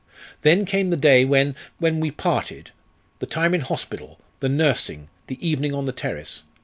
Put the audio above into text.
Then came the day when when we parted the time in hospital the nursing the evening on the terrace.